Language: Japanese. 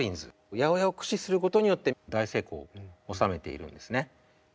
８０８を駆使することによって大成功を収めているんですね。